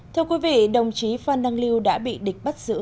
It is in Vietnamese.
thưa quý vị đồng chí phan đăng lưu đã bị địch bắt giữ